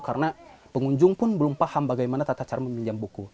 karena pengunjung pun belum paham bagaimana tata cara meminjam buku